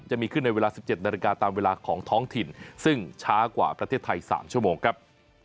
จะมีขึ้นในเวลา๑๗นาฬิกาตามเวลาของท้องถิ่นซึ่งช้ากว่าประเทศไทย๓ชั่วโมงครับ